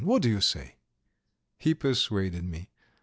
What do you say?" He persuaded me.